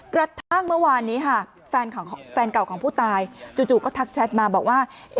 กระทั่งเมื่อวานนี้ค่ะแฟนเก่าของผู้ตายจู่ก็ทักแชทมาบอกว่า